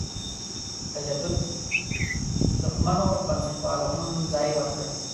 تجدد دښمنو بنسټپالو هم ځای ورکړ.